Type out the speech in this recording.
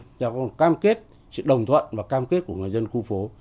chúng ta có cam kết sự đồng thuận và cam kết của người dân khu phố